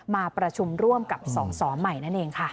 มาประชุมร่วมกับสสใหม่นั่นเองค่ะ